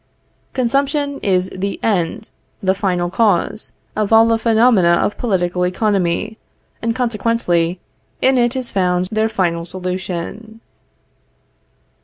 Consumption is the end, the final cause, of all the phenomena of political economy, and, consequently, in it is found their final solution.